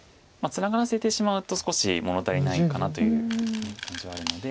ツナがらせてしまうと少し物足りないかなという感じはあるので。